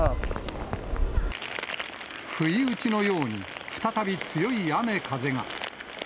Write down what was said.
不意打ちのように、再び強い雨風が。